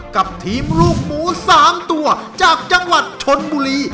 กับทีมลูกหมู๓ตัวจากจังหวัดชนบุรี